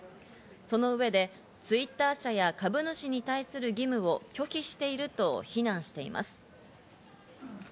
その上でＴｗｉｔｔｅｒ社や株主に対する義務を拒否していると非難しています。